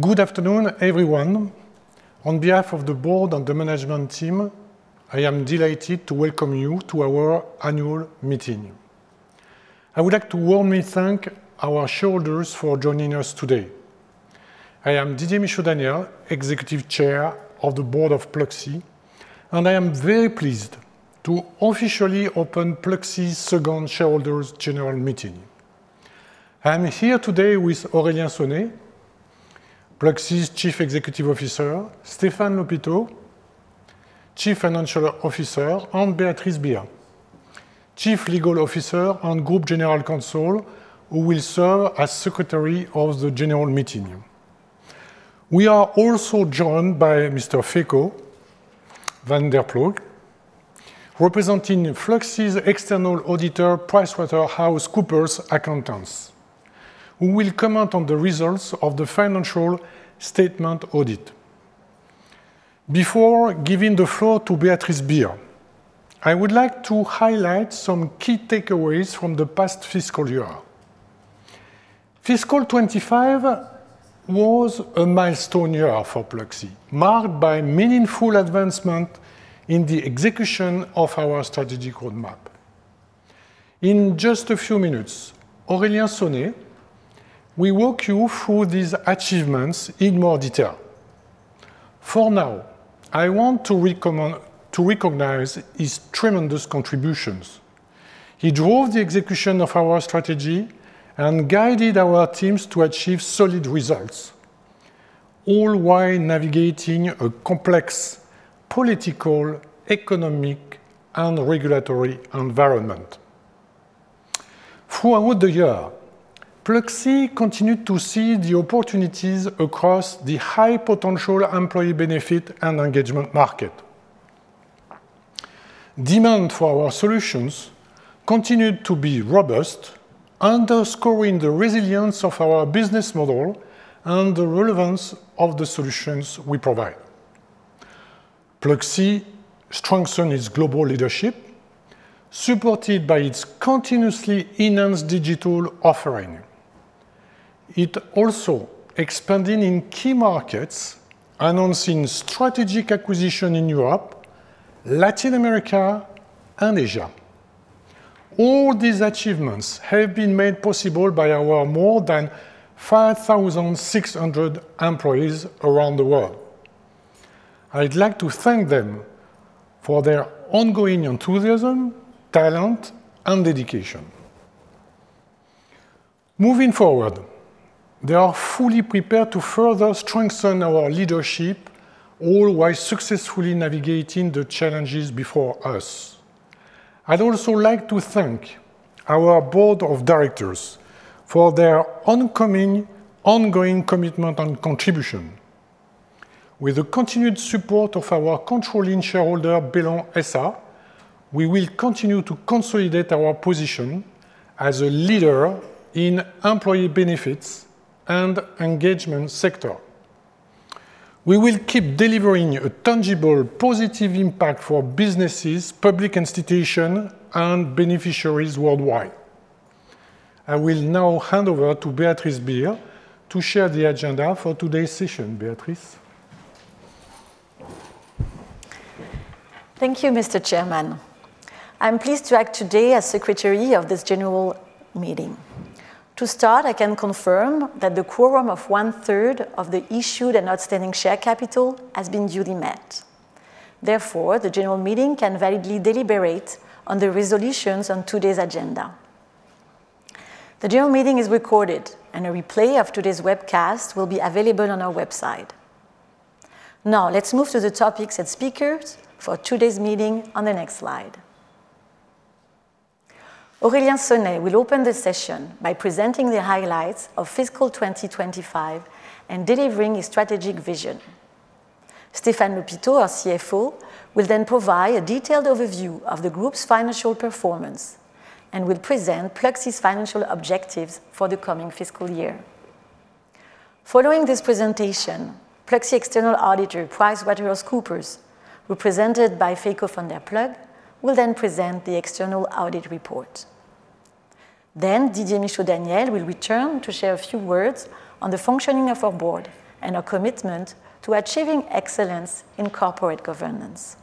Good afternoon, everyone. On behalf of the Board and the management team, I am delighted to welcome you to our annual meeting. I would like to warmly thank our shareholders for joining us today. I am Didier Michaud-Daniel, Executive Chair of the Board of Pluxee, and I am very pleased to officially open Pluxee's second shareholders' General Meeting. I am here today with Aurélien Sonet, Pluxee's Chief Executive Officer, Stéphane Lhopiteau, Chief Financial Officer, and Béatrice Bihr, Chief Legal Officer and Group General Counsel, who will serve as Secretary of the General Meeting. We are also joined by Mr. Feiko van der Ploeg, representing Pluxee's external auditor, PricewaterhouseCoopers Accountants, who will comment on the results of the financial statement audit. Before giving the floor to Béatrice Bihr, I would like to highlight some key takeaways from the past fiscal year. Fiscal 2025 was a milestone year for Pluxee, marked by meaningful advancements in the execution of our strategic roadmap. In just a few minutes, Aurélien Sonet, we will walk you through these achievements in more detail. For now, I want to recognize his tremendous contributions. He drove the execution of our strategy and guided our teams to achieve solid results, all while navigating a complex political, economic, and regulatory environment. Throughout the year, Pluxee continued to see the opportunities across the high-potential employee benefit and engagement market. Demand for our solutions continued to be robust, underscoring the resilience of our business model and the relevance of the solutions we provide. Pluxee strengthened its global leadership, supported by its continuously enhanced digital offering. It also expanded in key markets, announcing strategic acquisitions in Europe, Latin America, and Asia. All these achievements have been made possible by our more than 5,600 employees around the world. I'd like to thank them for their ongoing enthusiasm, talent, and dedication. Moving forward, they are fully prepared to further strengthen our leadership, all while successfully navigating the challenges before us. I'd also like to thank our Board of Directors for their ongoing commitment and contribution. With the continued support of our controlling shareholder, Bellon S.A., we will continue to consolidate our position as a leader in employee benefits and engagement sector. We will keep delivering a tangible positive impact for businesses, public institutions, and beneficiaries worldwide. I will now hand over to Béatrice Bihr to share the agenda for today's session. Béatrice. Thank you, Mr. Chairman. I'm pleased to act today as Secretary of this General Meeting. To start, I can confirm that the quorum of one-third of the issued and outstanding share capital has been duly met. Therefore, the General Meeting can validly deliberate on the resolutions on today's agenda. The General Meeting is recorded, and a replay of today's webcast will be available on our website. Now, let's move to the topics and speakers for today's meeting on the next slide. Aurélien Sonet will open the session by presenting the highlights of Fiscal 2025 and delivering his strategic vision. Stéphane Lhopiteau, our CFO, will then provide a detailed overview of the group's financial performance and will present Pluxee's financial objectives for the coming fiscal year. Following this presentation, Pluxee's external auditor, PricewaterhouseCoopers, represented by Feiko van der Ploeg, will then present the external audit report. Then, Didier Michaud-Daniel will return to share a few words on the functioning of our board and our commitment to achieving excellence in corporate governance.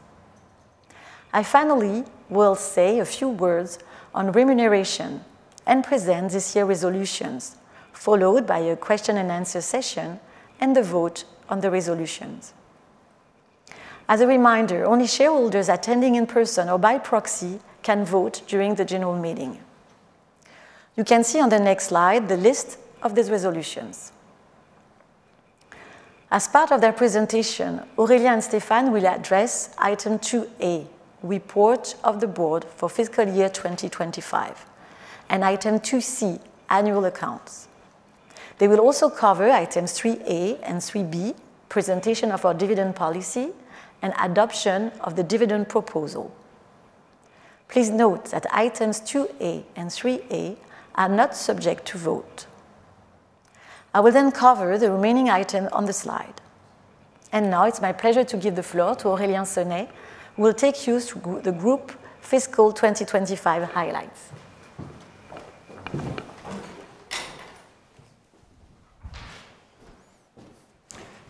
I finally will say a few words on remuneration and present this year's resolutions, followed by a question-and-answer session and the vote on the resolutions. As a reminder, only shareholders attending in person or by proxy can vote during the General Meeting. You can see on the next slide the list of these resolutions. As part of their presentation, Aurélien and Stéphane will address Item 2A, Report of the Board for Fiscal Year 2025, and Item 2C, Annual Accounts. They will also cover Items 3A and 3B, Presentation of our Dividend Policy and Adoption of the Dividend Proposal. Please note that Items 2A and 3A are not subject to vote. I will then cover the remaining items on the slide. Now, it's my pleasure to give the floor to Aurélien Sonet, who will take you through the group Fiscal 2025 highlights.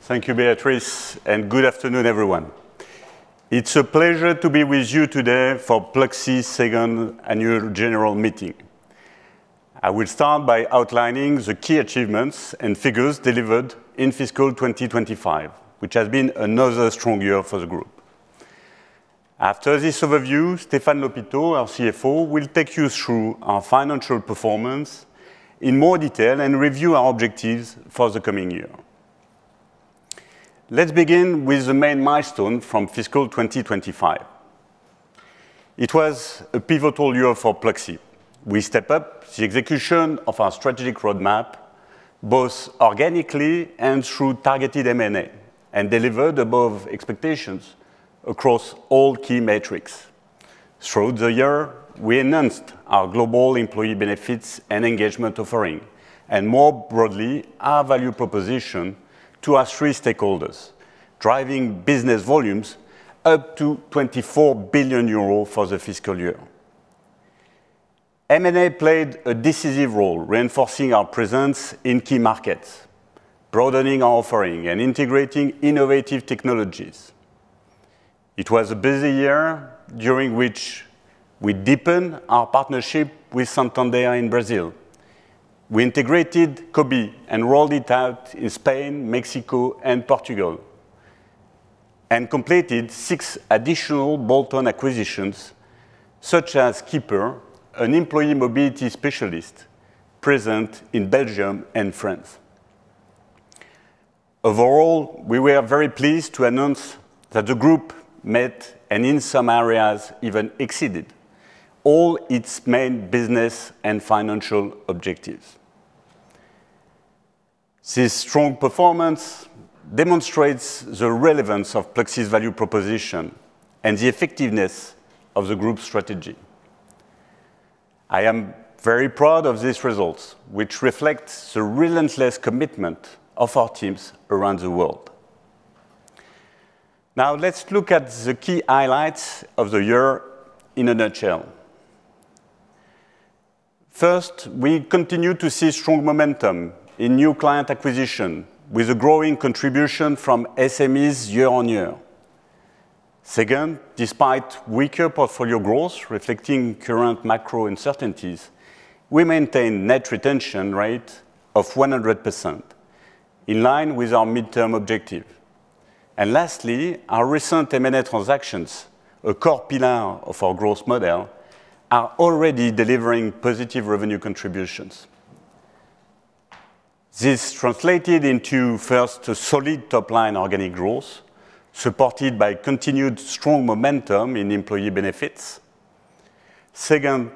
Thank you, Béatrice, and good afternoon, everyone. It's a pleasure to be with you today for Pluxee's second annual general meeting. I will start by outlining the key achievements and figures delivered in Fiscal 2025, which has been another strong year for the group. After this overview, Stéphane Lhopiteau, our CFO, will take you through our financial performance in more detail and review our objectives for the coming year. Let's begin with the main milestones from Fiscal 2025. It was a pivotal year for Pluxee. We stepped up the execution of our strategic roadmap, both organically and through targeted M&A, and delivered above expectations across all key metrics. Throughout the year, we announced our global employee benefits and engagement offering, and more broadly, our value proposition to our three stakeholders, driving business volumes up to 24 billion euros for the fiscal year. M&A played a decisive role, reinforcing our presence in key markets, broadening our offering, and integrating innovative technologies. It was a busy year, during which we deepened our partnership with Santander in Brazil. We integrated Cobee and rolled it out in Spain, Mexico, and Portugal, and completed six additional bolt-on acquisitions, such as Skipr, an employee mobility specialist present in Belgium and France. Overall, we were very pleased to announce that the group met and, in some areas, even exceeded all its main business and financial objectives. This strong performance demonstrates the relevance of Pluxee's value proposition and the effectiveness of the group strategy. I am very proud of these results, which reflect the relentless commitment of our teams around the world. Now, let's look at the key highlights of the year in a nutshell. First, we continue to see strong momentum in new client acquisitions, with a growing contribution from SMEs year on year. Second, despite weaker portfolio growth reflecting current macro uncertainties, we maintain a net retention rate of 100%, in line with our midterm objective. And lastly, our recent M&A transactions, a core pillar of our growth model, are already delivering positive revenue contributions. This translated into, first, a solid top-line organic growth, supported by continued strong momentum in employee benefits. Second,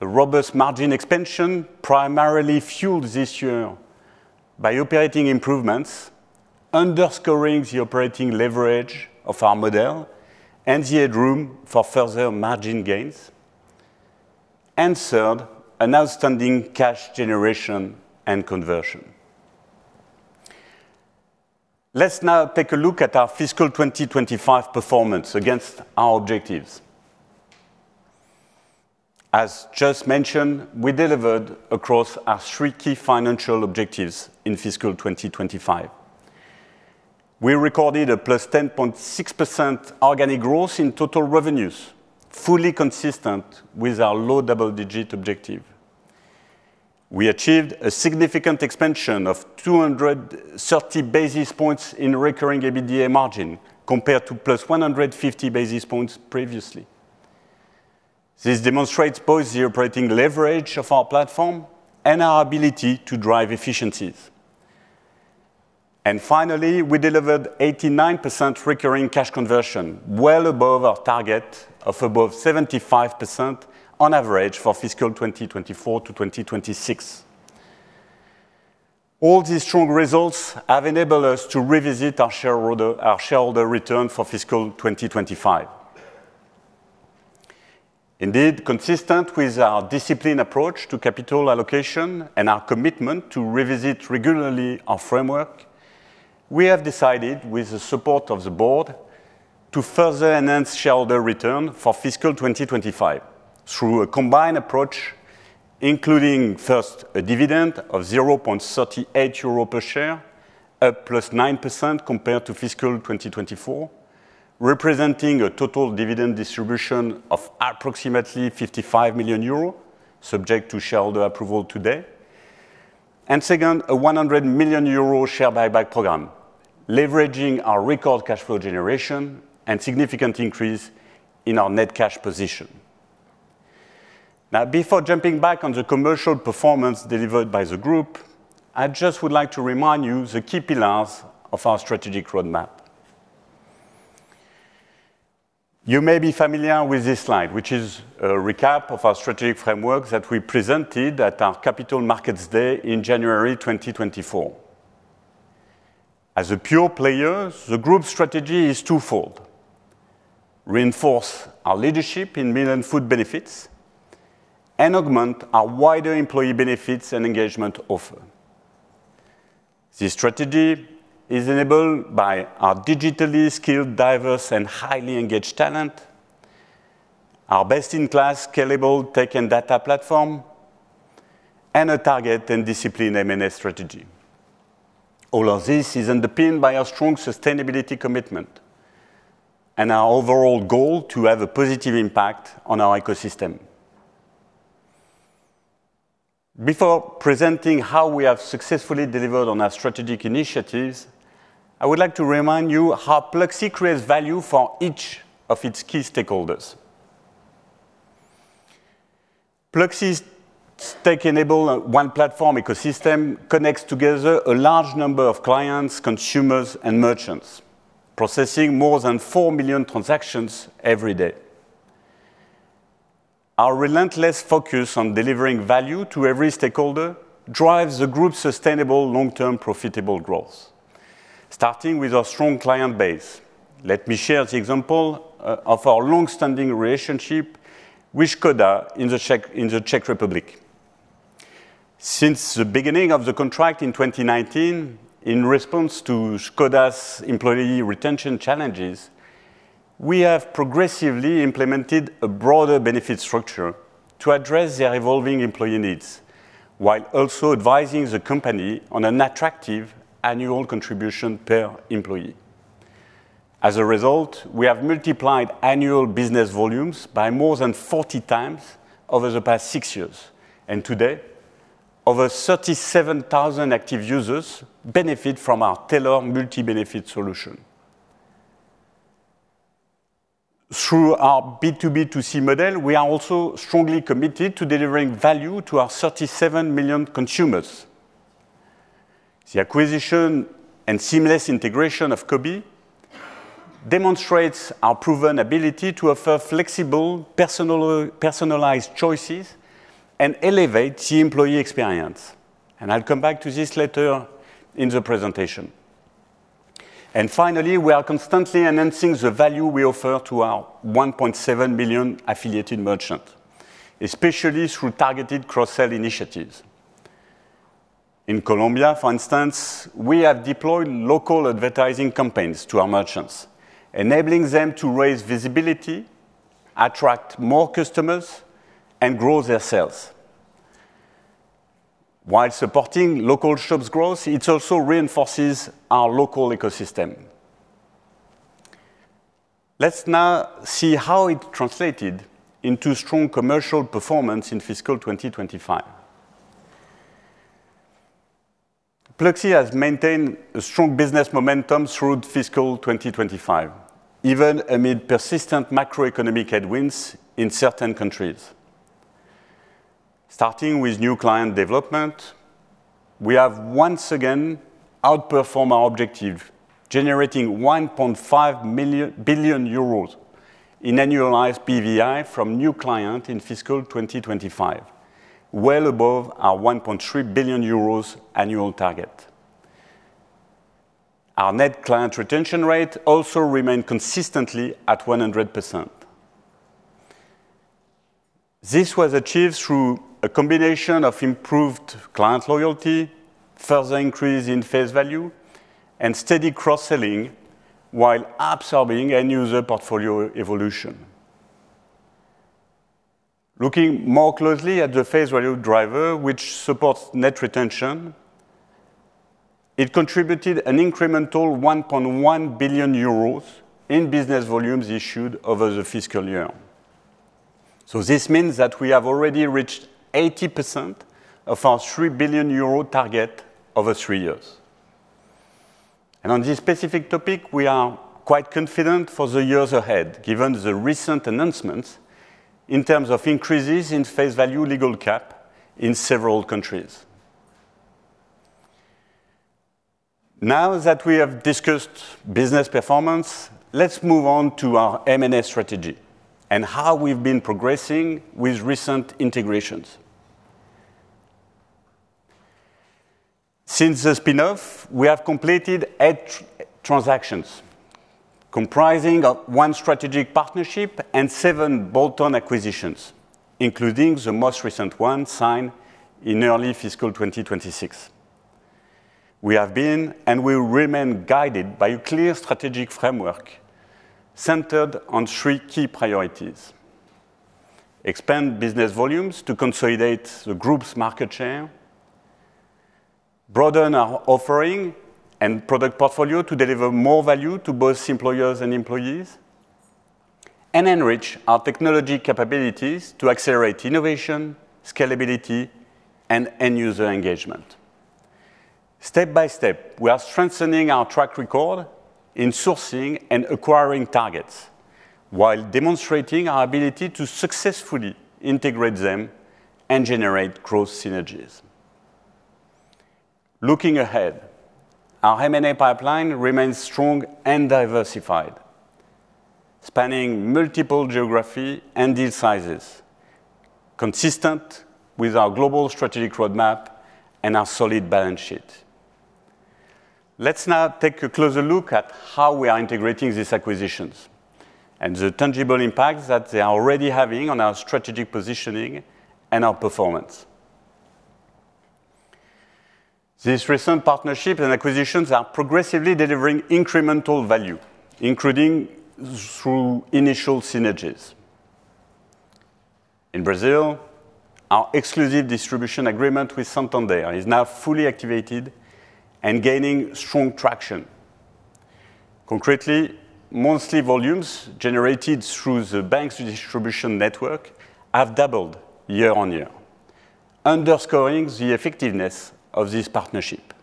a robust margin expansion primarily fueled this year by operating improvements, underscoring the operating leverage of our model and the headroom for further margin gains. And third, an outstanding cash generation and conversion. Let's now take a look at our Fiscal 2025 performance against our objectives. As just mentioned, we delivered across our three key financial objectives in Fiscal 2025. We recorded a +10.6% organic growth in total revenues, fully consistent with our low double-digit objective. We achieved a significant expansion of 230 basis points in recurring EBITDA margin compared to +150 basis points previously. This demonstrates both the operating leverage of our platform and our ability to drive efficiencies, and finally, we delivered 89% recurring cash conversion, well above our target of above 75% on average for Fiscal 2024 to 2026. All these strong results have enabled us to revisit our shareholder return for Fiscal 2025. Indeed, consistent with our disciplined approach to capital allocation and our commitment to revisit regularly our framework, we have decided, with the support of the board, to further enhance shareholder return for Fiscal 2025 through a combined approach, including first, a dividend of 0.38 euro per share, up +9% compared to Fiscal 2024, representing a total dividend distribution of approximately 55 million euro, subject to shareholder approval today, and second, a 100 million euro share buyback program, leveraging our record cash flow generation and significant increase in our net cash position. Now, before jumping back on the commercial performance delivered by the group, I just would like to remind you of the key pillars of our strategic roadmap. You may be familiar with this slide, which is a recap of our strategic framework that we presented at our Capital Markets Day in January 2024. As a pure player, the group's strategy is twofold: reinforce our leadership in meal and food benefits and augment our wider employee benefits and engagement offer. This strategy is enabled by our digitally skilled, diverse, and highly engaged talent, our best-in-class scalable tech and data platform, and a target and disciplined M&A strategy. All of this is underpinned by our strong sustainability commitment and our overall goal to have a positive impact on our ecosystem. Before presenting how we have successfully delivered on our strategic initiatives, I would like to remind you how Pluxee creates value for each of its key stakeholders. Pluxee's tech-enabled one-platform ecosystem connects together a large number of clients, consumers, and merchants, processing more than four million transactions every day. Our relentless focus on delivering value to every stakeholder drives the group's sustainable, long-term profitable growth, starting with our strong client base. Let me share the example of our long-standing relationship with Škoda in the Czech Republic. Since the beginning of the contract in 2019, in response to Škoda's employee retention challenges, we have progressively implemented a broader benefit structure to address their evolving employee needs, while also advising the company on an attractive annual contribution per employee. As a result, we have multiplied annual business volumes by more than 40 times over the past six years, and today, over 37,000 active users benefit from our tailored multi-benefit solution. Through our B2B2C model, we are also strongly committed to delivering value to our 37 million consumers. The acquisition and seamless integration of Cobee demonstrates our proven ability to offer flexible, personalized choices and elevate the employee experience, and I'll come back to this later in the presentation. Finally, we are constantly enhancing the value we offer to our 1.7 million affiliated merchants, especially through targeted cross-sell initiatives. In Colombia, for instance, we have deployed local advertising campaigns to our merchants, enabling them to raise visibility, attract more customers, and grow their sales. While supporting local shops' growth, it also reinforces our local ecosystem. Let's now see how it translated into strong commercial performance in Fiscal 2025. Pluxee has maintained a strong business momentum through Fiscal 2025, even amid persistent macroeconomic headwinds in certain countries. Starting with new client development, we have once again outperformed our objective, generating 1.5 billion euros in annualized BVI from new clients in Fiscal 2025, well above our 1.3 billion euros annual target. Our net client retention rate also remained consistently at 100%. This was achieved through a combination of improved client loyalty, further increase in face value, and steady cross-selling, while absorbing end-user portfolio evolution. Looking more closely at the face value driver, which supports net retention, it contributed an incremental 1.1 billion euros in business volumes issued over the fiscal year. So this means that we have already reached 80% of our 3 billion euro target over three years. And on this specific topic, we are quite confident for the years ahead, given the recent announcements in terms of increases in face value legal cap in several countries. Now that we have discussed business performance, let's move on to our M&A strategy and how we've been progressing with recent integrations. Since the spinoff, we have completed eight transactions comprising one strategic partnership and seven bolt-on acquisitions, including the most recent one signed in early Fiscal 2026. We have been and will remain guided by a clear strategic framework centered on three key priorities: expand business volumes to consolidate the group's market share, broaden our offering and product portfolio to deliver more value to both employers and employees, and enrich our technology capabilities to accelerate innovation, scalability, and end-user engagement. Step by step, we are strengthening our track record in sourcing and acquiring targets, while demonstrating our ability to successfully integrate them and generate growth synergies. Looking ahead, our M&A pipeline remains strong and diversified, spanning multiple geographies and deal sizes, consistent with our global strategic roadmap and our solid balance sheet. Let's now take a closer look at how we are integrating these acquisitions and the tangible impacts that they are already having on our strategic positioning and our performance. These recent partnerships and acquisitions are progressively delivering incremental value, including through initial synergies. In Brazil, our exclusive distribution agreement with Santander is now fully activated and gaining strong traction. Concretely, monthly volumes generated through the bank's distribution network have doubled year on year, underscoring the effectiveness of this partnership.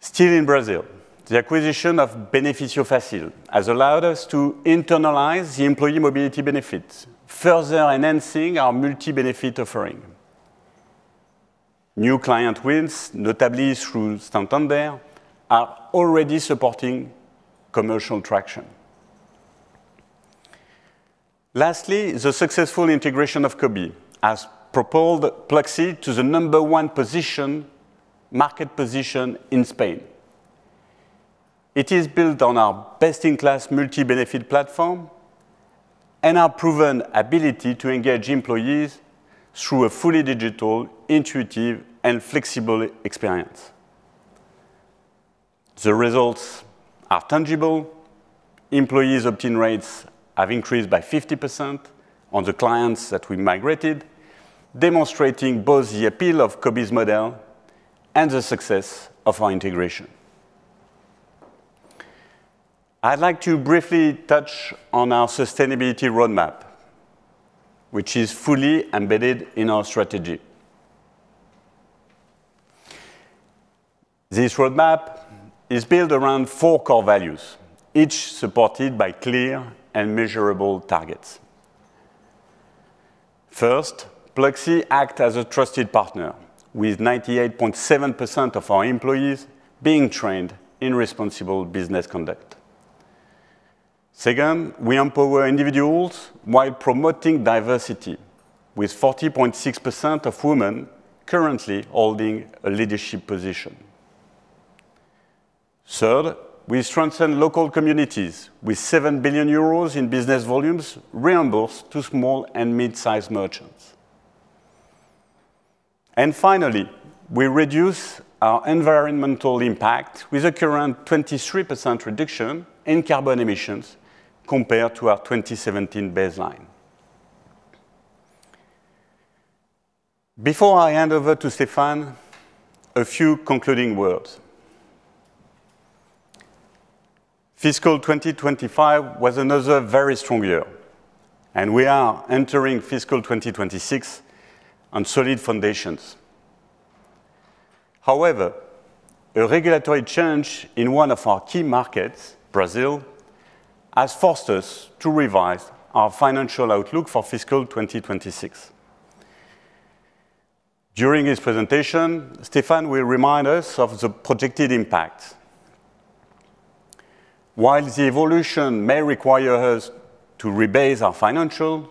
Still in Brazil, the acquisition of Benefício Fácil has allowed us to internalize the employee mobility benefits, further enhancing our multi-benefit offering. New client wins, notably through Santander, are already supporting commercial traction. Lastly, the successful integration of Cobee has propelled Pluxee to the number one market position in Spain. It is built on our best-in-class multi-benefit platform and our proven ability to engage employees through a fully digital, intuitive, and flexible experience. The results are tangible. Employees' opt-in rates have increased by 50% on the clients that we migrated, demonstrating both the appeal of Cobee's model and the success of our integration. I'd like to briefly touch on our sustainability roadmap, which is fully embedded in our strategy. This roadmap is built around four core values, each supported by clear and measurable targets. First, Pluxee acts as a trusted partner, with 98.7% of our employees being trained in responsible business conduct. Second, we empower individuals while promoting diversity, with 40.6% of women currently holding a leadership position. Third, we strengthen local communities, with 7 billion euros in business volumes reimbursed to small and mid-sized merchants. And finally, we reduce our environmental impact with a current 23% reduction in carbon emissions compared to our 2017 baseline. Before I hand over to Stéphane, a few concluding words. Fiscal 2025 was another very strong year, and we are entering Fiscal 2026 on solid foundations. However, a regulatory change in one of our key markets, Brazil, has forced us to revise our financial outlook for Fiscal 2026. During his presentation, Stéphane will remind us of the projected impacts. While the evolution may require us to rebase our financials,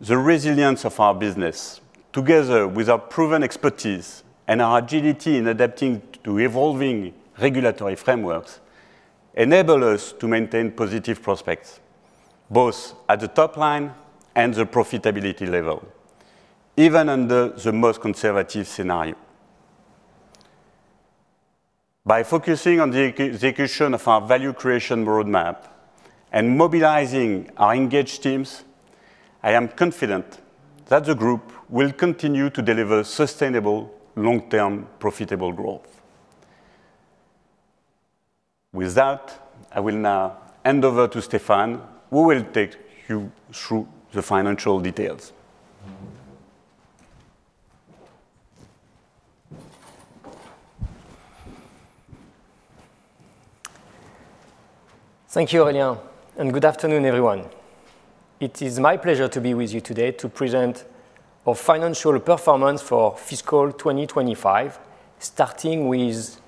the resilience of our business, together with our proven expertise and our agility in adapting to evolving regulatory frameworks, enables us to maintain positive prospects both at the top line and the profitability level, even under the most conservative scenario. By focusing on the execution of our value creation roadmap and mobilizing our engaged teams, I am confident that the group will continue to deliver sustainable, long-term, profitable growth. With that, I will now hand over to Stéphane, who will take you through the financial details. Thank you, Aurélien, and good afternoon, everyone. It is my pleasure to be with you today to present our financial performance for Fiscal 2025, starting with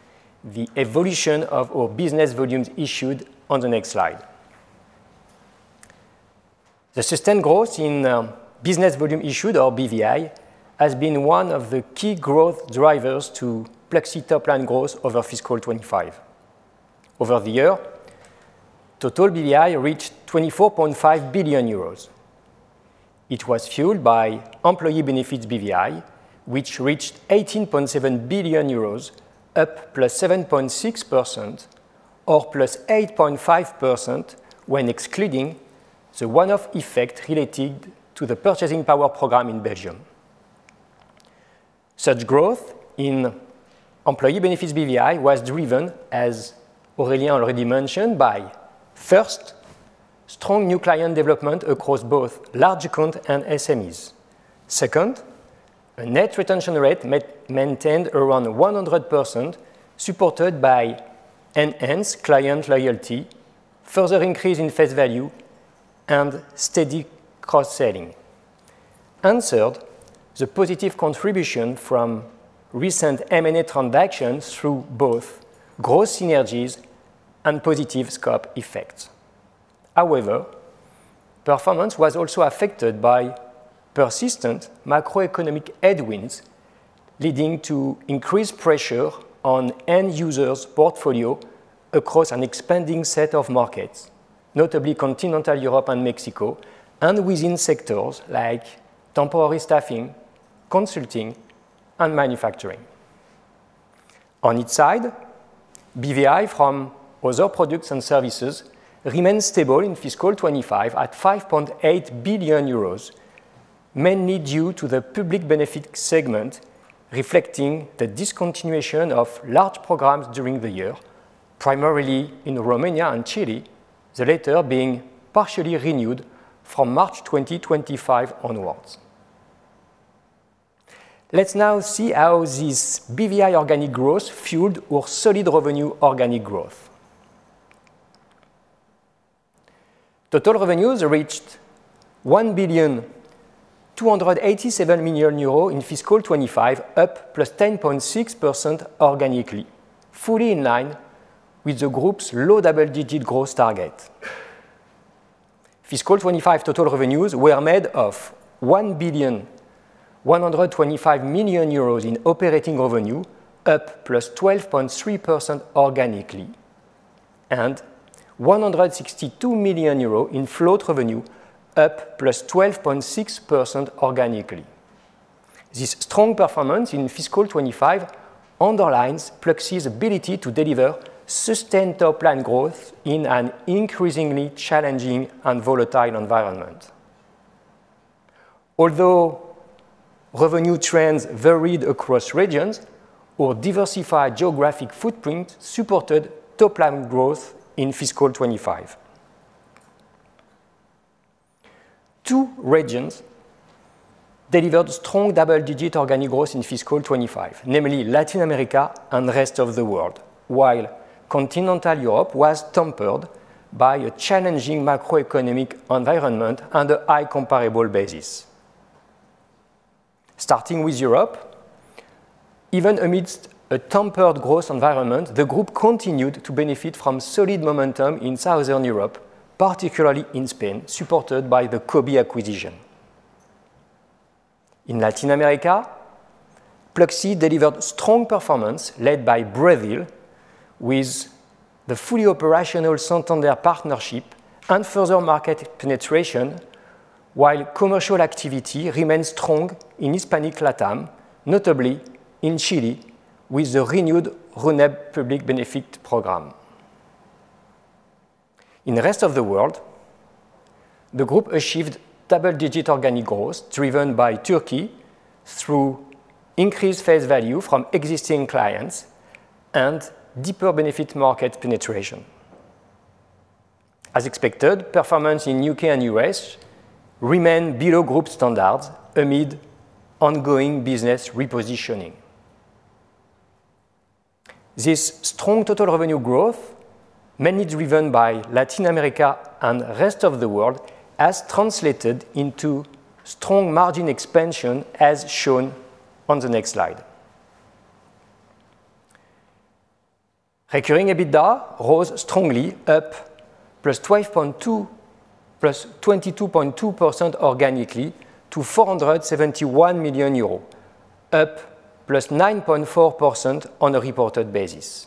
the evolution of our business volumes issued on the next slide. The sustained growth in business volume issued, or BVI, has been one of the key growth drivers to Pluxee top-line growth over Fiscal 2025. Over the year, total BVI reached 24.5 billion euros. It was fueled by employee benefits BVI, which reached 18.7 billion euros, up +7.6% or +8.5% when excluding the one-off effect related to the purchasing power program in Belgium. Such growth in employee benefits BVI was driven, as Aurélien already mentioned, by, first, strong new client development across both large accounts and SMEs. Second, a net retention rate maintained around 100%, supported by enhanced client loyalty, further increase in face value, and steady cross-selling, and third, the positive contribution from recent M&A transactions through both growth synergies and positive scope effects. However, performance was also affected by persistent macroeconomic headwinds, leading to increased pressure on end-users' portfolio across an expanding set of markets, notably continental Europe and Mexico, and within sectors like temporary staffing, consulting, and manufacturing. On its side, BVI from other products and services remained stable in fiscal 25 at €5.8 billion, mainly due to the public benefit segment reflecting the discontinuation of large programs during the year, primarily in Romania and Chile, the latter being partially renewed from March 2025 onwards. Let's now see how this BVI organic growth fueled our solid revenue organic growth. Total revenues reached €1,287 million in fiscal 25, up +10.6% organically, fully in line with the group's low double-digit growth target. Fiscal 25 total revenues were made of €1,125 million in operating revenue, up +12.3% organically, and €162 million in float revenue, up +12.6% organically. This strong performance in Fiscal 25 underlines Pluxee's ability to deliver sustained top-line growth in an increasingly challenging and volatile environment. Although revenue trends varied across regions, our diversified geographic footprint supported top-line growth in Fiscal 25. Two regions delivered strong double-digit organic growth in Fiscal 25, namely Latin America and the rest of the world, while Continental Europe was tempered by a challenging macroeconomic environment and a high comparable basis. Starting with Europe, even amidst a tempered growth environment, the group continued to benefit from solid momentum in southern Europe, particularly in Spain, supported by the Cobee acquisition. In Latin America, Pluxee delivered strong performance led by Brazil, with the fully operational Santander partnership and further market penetration, while commercial activity remained strong in Hispanic LatAm, notably in Chile, with the renewed JUNAEB public benefit program. In the rest of the world, the group achieved double-digit organic growth driven by Turkey through increased face value from existing clients and deeper benefit market penetration. As expected, performance in the U.K. and U.S. remained below group standards amid ongoing business repositioning. This strong total revenue growth, mainly driven by Latin America and the rest of the world, has translated into strong margin expansion, as shown on the next slide. Recurring EBITDA rose strongly, up +2.2% +22.2% organically to €471 million, up +9.4% on a reported basis.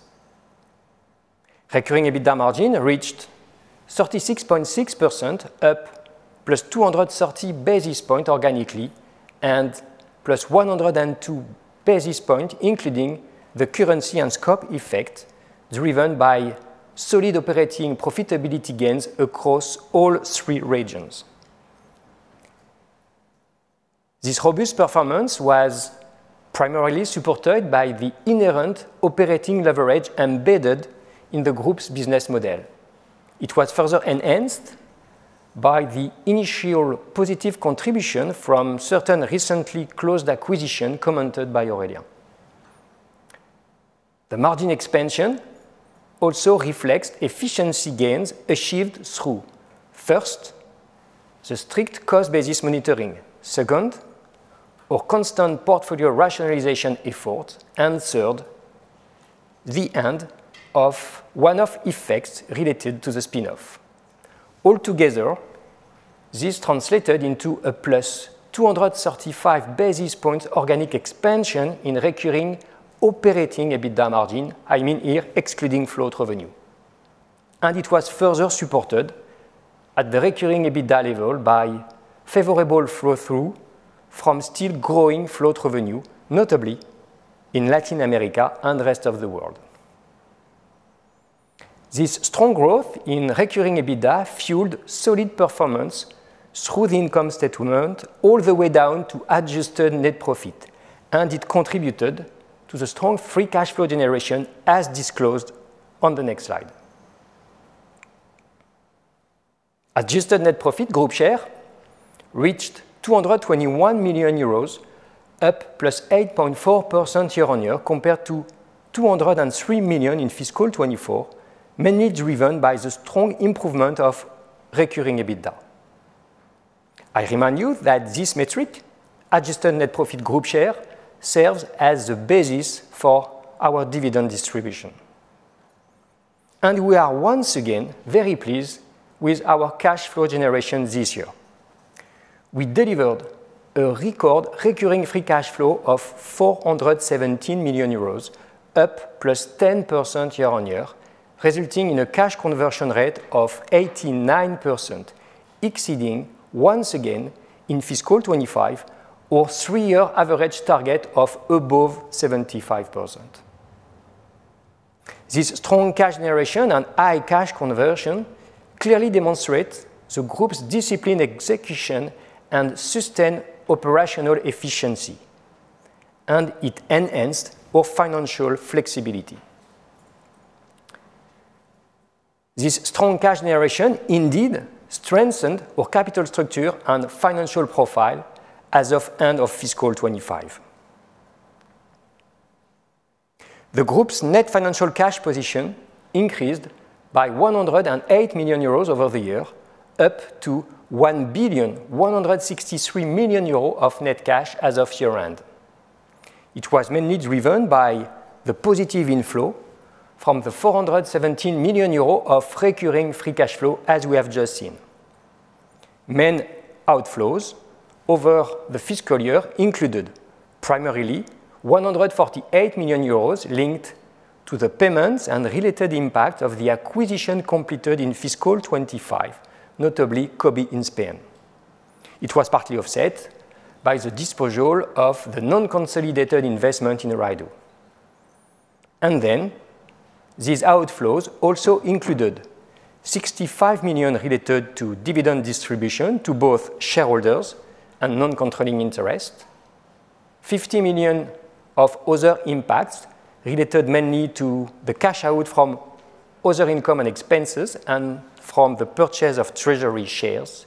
Recurring EBITDA margin reached 36.6%, up +230 basis points organically and +102 basis points, including the currency and scope effect driven by solid operating profitability gains across all three regions. This robust performance was primarily supported by the inherent operating leverage embedded in the group's business model. It was further enhanced by the initial positive contribution from certain recently closed acquisitions commented by Aurélien. The margin expansion also reflects efficiency gains achieved through, first, the strict cost basis monitoring, second, our constant portfolio rationalization efforts, and third, the end of one-off effects related to the spinoff. Altogether, this translated into a +235 basis points organic expansion in recurring operating EBITDA margin, I mean here excluding float revenue. And it was further supported at the recurring EBITDA level by favorable flow-through from still growing float revenue, notably in Latin America and the rest of the world. This strong growth in recurring EBITDA fueled solid performance through the income statement all the way down to adjusted net profit, and it contributed to the strong free cash flow generation, as disclosed on the next slide. Adjusted net profit group share reached 221 million euros, up +8.4% year on year compared to 203 million in Fiscal 2024, mainly driven by the strong improvement of recurring EBITDA. I remind you that this metric, adjusted net profit group share, serves as the basis for our dividend distribution. And we are once again very pleased with our cash flow generation this year. We delivered a record recurring free cash flow of 417 million euros, up +10% year on year, resulting in a cash conversion rate of 89%, exceeding once again in Fiscal 2025 our three-year average target of above 75%. This strong cash generation and high cash conversion clearly demonstrate the group's disciplined execution and sustained operational efficiency, and it enhanced our financial flexibility. This strong cash generation indeed strengthened our capital structure and financial profile as of end of Fiscal 2025. The group's net financial cash position increased by 108 million euros over the year, up to 1,163 million euros of net cash as of year-end. It was mainly driven by the positive inflow from the 417 million euro of recurring free cash flow, as we have just seen. Main outflows over the fiscal year included primarily 148 million euros linked to the payments and related impact of the acquisition completed in Fiscal 2025, notably Cobee in Spain. It was partly offset by the disposal of the non-consolidated investment in Rydoo, and then these outflows also included 65 million related to dividend distribution to both shareholders and non-controlling interest, 50 million of other impacts related mainly to the cash out from other income and expenses and from the purchase of treasury shares,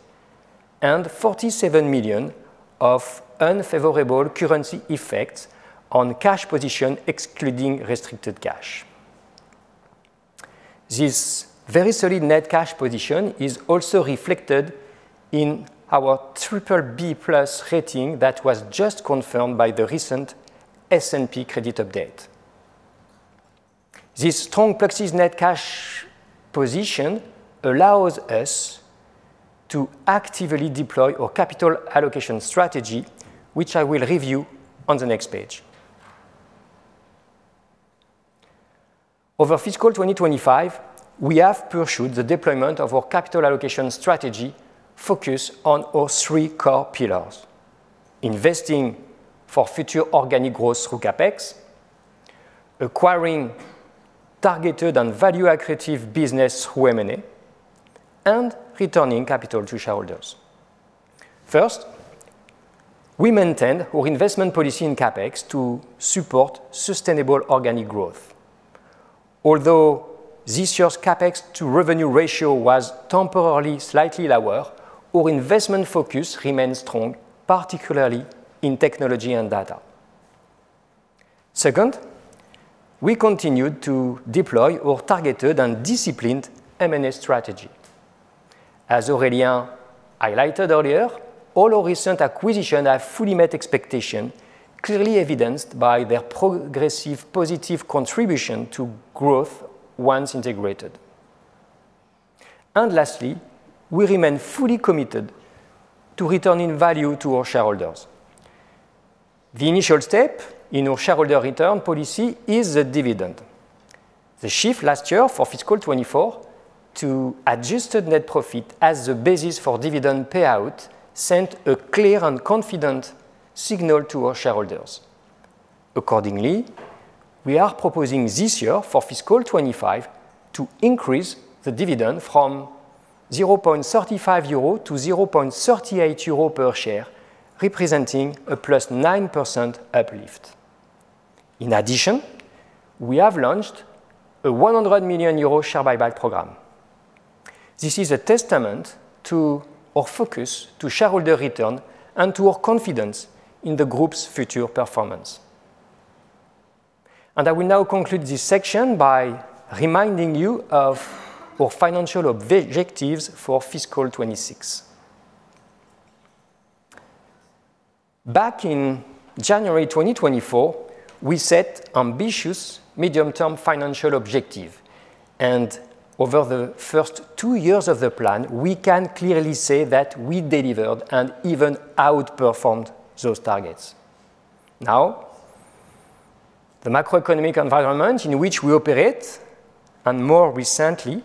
and 47 million of unfavorable currency effects on cash position, excluding restricted cash. This very solid net cash position is also reflected in our BBB+ rating that was just confirmed by the recent S&P credit update. This strong Pluxee's net cash position allows us to actively deploy our capital allocation strategy, which I will review on the next page. Over Fiscal 2025, we have pursued the deployment of our capital allocation strategy focused on our three core pillars: investing for future organic growth through CAPEX, acquiring targeted and value-accretive business through M&A, and returning capital to shareholders. First, we maintained our investment policy in CAPEX to support sustainable organic growth. Although this year's CAPEX-to-revenue ratio was temporarily slightly lower, our investment focus remained strong, particularly in technology and data. Second, we continued to deploy our targeted and disciplined M&A strategy. As Aurélien highlighted earlier, all our recent acquisitions have fully met expectations, clearly evidenced by their progressive positive contribution to growth once integrated. Lastly, we remain fully committed to returning value to our shareholders. The initial step in our shareholder return policy is the dividend. The shift last year for Fiscal 2024 to adjusted net profit as the basis for dividend payout sent a clear and confident signal to our shareholders. Accordingly, we are proposing this year for Fiscal 2025 to increase the dividend from 0.35 euro to 0.38 euro per share, representing a +9% uplift. In addition, we have launched a 100 million euro share buyback program. This is a testament to our focus on shareholder return and to our confidence in the group's future performance. I will now conclude this section by reminding you of our financial objectives for Fiscal 2026. Back in January 2024, we set ambitious medium-term financial objectives, and over the first two years of the plan, we can clearly say that we delivered and even outperformed those targets. Now, the macroeconomic environment in which we operate, and more recently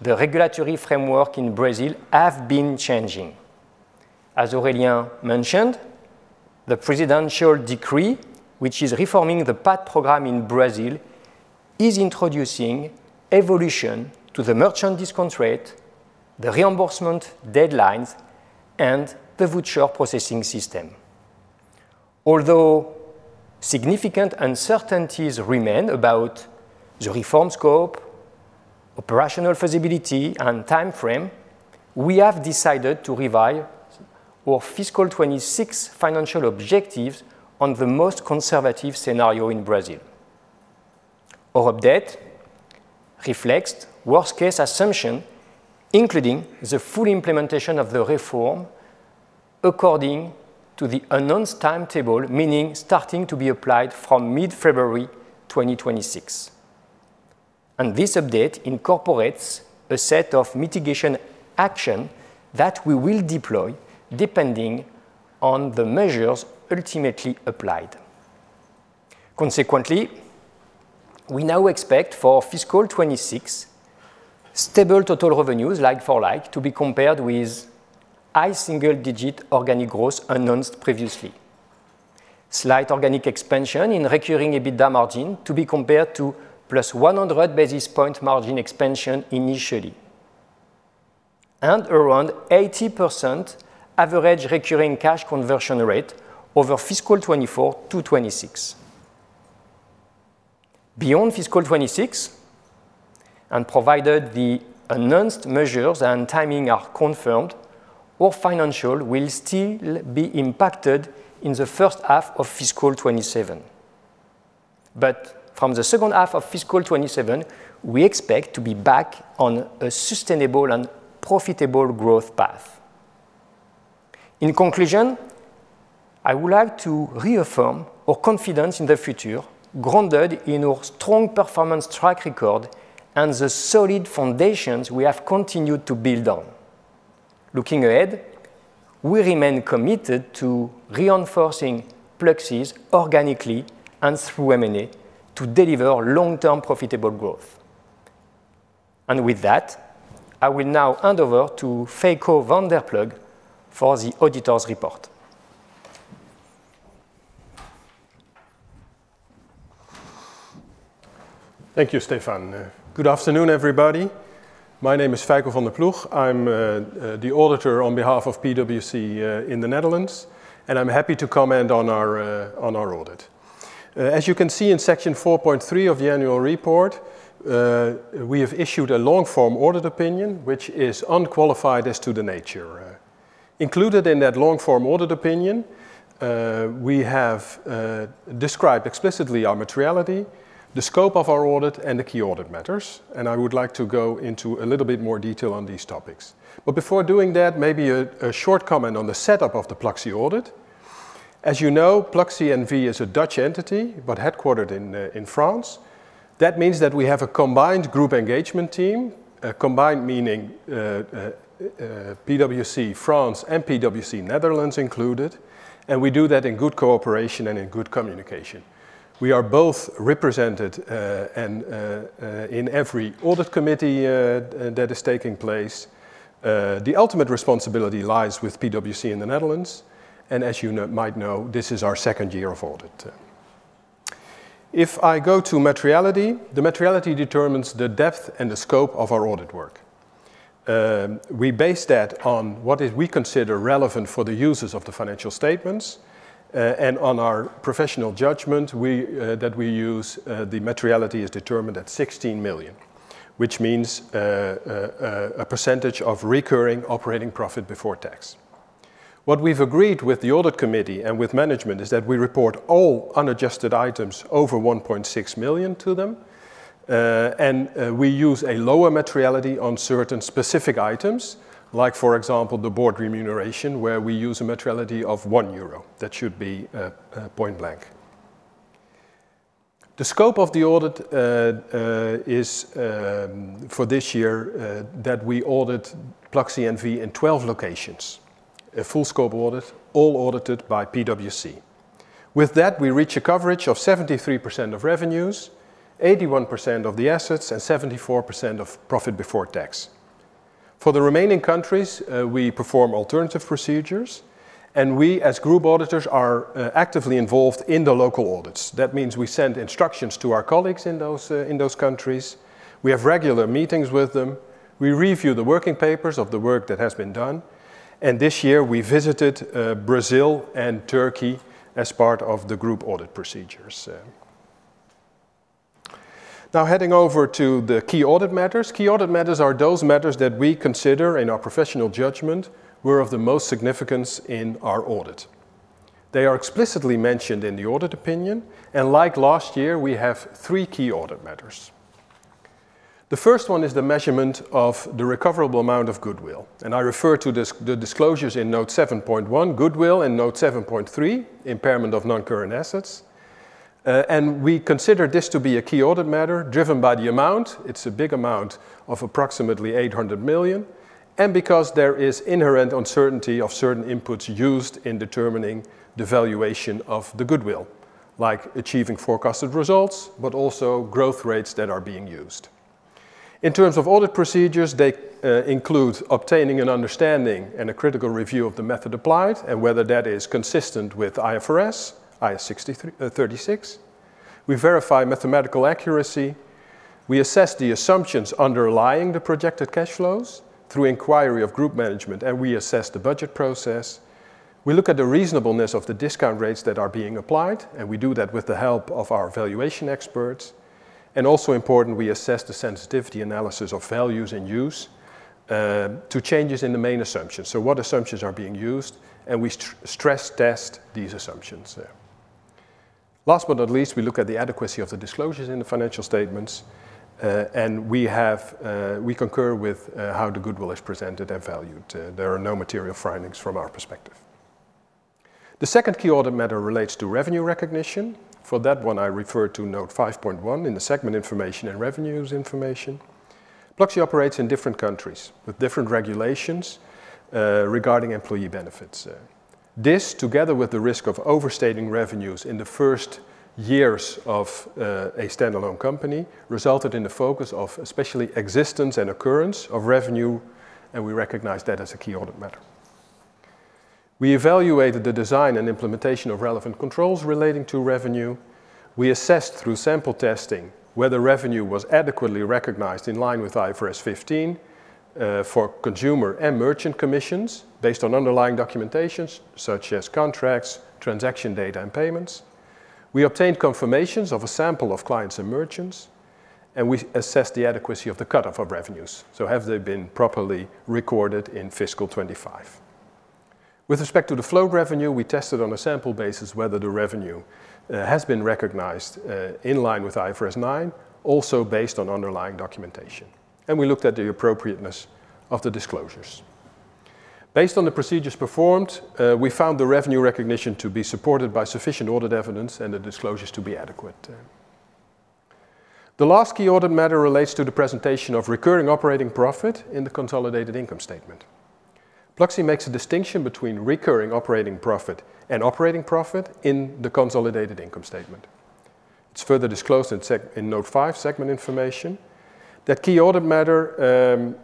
the regulatory framework in Brazil, have been changing. As Aurélien mentioned, the presidential decree, which is reforming the PAT program in Brazil, is introducing evolution to the merchant discount rate, the reimbursement deadlines, and the future processing system. Although significant uncertainties remain about the reform scope, operational feasibility, and time frame, we have decided to revise Fiscal 2026 financial objectives on the most conservative scenario in Brazil. Our update reflects worst-case assumption, including the full implementation of the reform according to the announced timetable, meaning starting to be applied from mid-February 2026. And this update incorporates a set of mitigation actions that we will deploy depending on the measures ultimately applied. Consequently, we now expect Fiscal 2026 stable total revenues like-for-like to be compared with high single-digit organic growth announced previously, slight organic expansion in recurring EBITDA margin to be compared to +100 basis points margin expansion initially, and around 80% average recurring cash conversion rate Fiscal 2024 to 26. Fiscal 2026, and provided the announced measures and timing are confirmed, our financials will still be impacted in the first half of Fiscal 2027. But from the second half of Fiscal 2027, we expect to be back on a sustainable and profitable growth path. In conclusion, I would like to reaffirm our confidence in the future, grounded in our strong performance track record and the solid foundations we have continued to build on. Looking ahead, we remain committed to reinforcing Pluxee organically and through M&A to deliver long-term profitable growth. With that, I will now hand over to Feiko van der Ploeg for the auditor's report. Thank you, Stéphane. Good afternoon, everybody. My name is Feiko van der Ploeg. I'm the auditor on behalf of PwC in the Netherlands, and I'm happy to comment on our audit. As you can see in section 4.3 of the Annual Report, we have issued a long-form audit opinion, which is unqualified as to the nature. Included in that long-form audit opinion, we have described explicitly our materiality, the scope of our audit, and the key audit matters. I would like to go into a little bit more detail on these topics. Before doing that, maybe a short comment on the setup of the Pluxee audit. As you know, Pluxee N.V. is a Dutch entity, but headquartered in France. That means that we have a combined group engagement team, combined meaning PwC France and PwC Netherlands included, and we do that in good cooperation and in good communication. We are both represented in every audit committee that is taking place. The ultimate responsibility lies with PwC in the Netherlands, and as you might know, this is our second year of audit. If I go to materiality, the materiality determines the depth and the scope of our audit work. We base that on what we consider relevant for the users of the financial statements, and on our professional judgment. That we use, the materiality is determined at 16 million, which means a percentage of recurring operating profit before tax. What we've agreed with the audit committee and with management is that we report all unadjusted items over 1.6 million to them, and we use a lower materiality on certain specific items, like for example, the board remuneration, where we use a materiality of 1 euro. That should be point blank. The scope of the audit is for this year that we audit Pluxee N.V. in 12 locations, a full-scope audit, all audited by PwC. With that, we reach a coverage of 73% of revenues, 81% of the assets, and 74% of profit before tax. For the remaining countries, we perform alternative procedures, and we as group auditors are actively involved in the local audits. That means we send instructions to our colleagues in those countries. We have regular meetings with them. We review the working papers of the work that has been done, and this year we visited Brazil and Turkey as part of the group audit procedures. Now, heading over to the key audit matters. Key audit matters are those matters that we consider in our professional judgment were of the most significance in our audit. They are explicitly mentioned in the audit opinion, and like last year, we have three key audit matters. The first one is the measurement of the recoverable amount of goodwill, and I refer to the disclosures in Note 7.1, Goodwill, and Note 7.3, Impairment of non-current assets, and we consider this to be a key audit matter driven by the amount. It's a big amount of approximately 800 million, and because there is inherent uncertainty of certain inputs used in determining the valuation of the goodwill, like achieving forecasted results, but also growth rates that are being used. In terms of audit procedures, they include obtaining an understanding and a critical review of the method applied and whether that is consistent with IFRS, IAS 36. We verify mathematical accuracy. We assess the assumptions underlying the projected cash flows through inquiry of group management, and we assess the budget process. We look at the reasonableness of the discount rates that are being applied, and we do that with the help of our valuation experts, and also important, we assess the sensitivity analysis of values in use to changes in the main assumptions, so what assumptions are being used, and we stress test these assumptions. Last but not least, we look at the adequacy of the disclosures in the financial statements, and we concur with how the goodwill is presented and valued. There are no material findings from our perspective. The second key audit matter relates to revenue recognition. For that one, I refer to note 5.1 in the segment information and revenues information. Pluxee operates in different countries with different regulations regarding employee benefits. This, together with the risk of overstating revenues in the first years of a standalone company, resulted in the focus of especially existence and occurrence of revenue, and we recognize that as a key audit matter. We evaluated the design and implementation of relevant controls relating to revenue. We assessed through sample testing whether revenue was adequately recognized in line with IFRS 15 for consumer and merchant commissions based on underlying documentation such as contracts, transaction data, and payments. We obtained confirmations of a sample of clients and merchants, and we assessed the adequacy of the cut-off of revenues, so have they been properly recorded in Fiscal 2025. With respect to the flow of revenue, we tested on a sample basis whether the revenue has been recognized in line with IFRS 9, also based on underlying documentation, and we looked at the appropriateness of the disclosures. Based on the procedures performed, we found the revenue recognition to be supported by sufficient audit evidence and the disclosures to be adequate. The last key audit matter relates to the presentation of recurring operating profit in the consolidated income statement. Pluxee makes a distinction between recurring operating profit and operating profit in the consolidated income statement. It's further disclosed in note 5, segment information, that key audit matter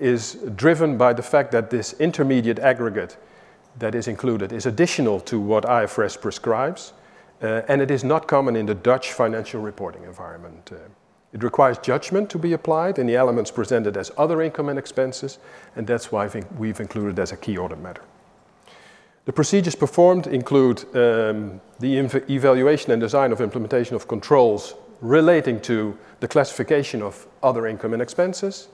is driven by the fact that this intermediate aggregate that is included is additional to what IFRS prescribes, and it is not common in the Dutch financial reporting environment. It requires judgment to be applied in the elements presented as other income and expenses, and that's why we've included it as a key audit matter. The procedures performed include the evaluation and design of implementation of controls relating to the classification of other income and expenses.